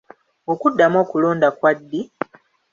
Okuddamu okulonda kwa ddi?